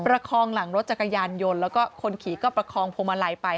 ประคองหลังรถจักรยานยนต์แล้วก็คนขี่ก็ประคองพวงมาลัยไป